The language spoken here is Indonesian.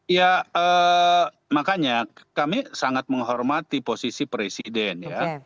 ya makanya kami sangat menghormati posisi presiden ya